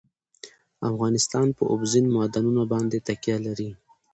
افغانستان په اوبزین معدنونه باندې تکیه لري.